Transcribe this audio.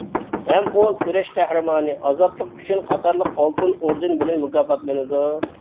ھەم ئۇ «كۈرەش قەھرىمانى» ، «ئازادلىق ئۈچۈن» قاتارلىق ئالتۇن ئوردېن بىلەن مۇكاپاتلىنىدۇ.